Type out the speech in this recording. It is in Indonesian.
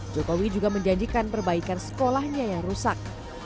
jokowi juga menjanjikan perbaikan sekolahnya yang rusak